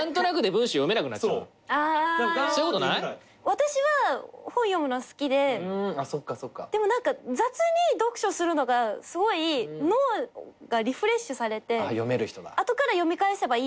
私は本読むのは好きででも何か雑に読書するのがすごい脳がリフレッシュされて後から読み返せばいいしって。